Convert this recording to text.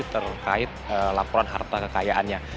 terkait laporan harta kekayaannya